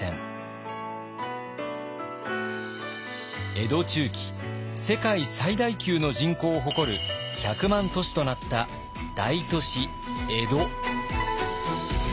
江戸中期世界最大級の人口を誇る１００万都市となった大都市江戸。